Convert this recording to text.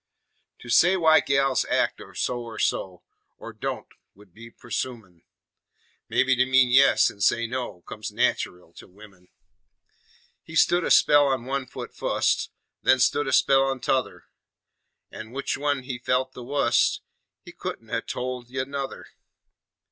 To say why gals act so or so, Or don't, 'ould be presumin'; Mebby to mean yes an' say no Comes nateral to women. He stood a spell on one foot fust, Then stood a spell on t' other, An' on which one he felt the wust He couldn't ha' told ye nuther.